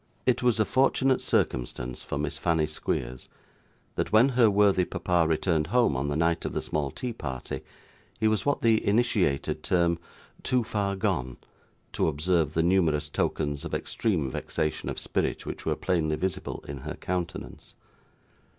It was a fortunate circumstance for Miss Fanny Squeers, that when her worthy papa returned home on the night of the small tea party, he was what the initiated term 'too far gone' to observe the numerous tokens of extreme vexation of spirit which were plainly visible in her countenance.